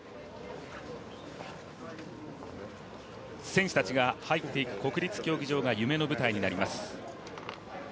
選手たちが入っていく国立競技場が夢の舞台になります。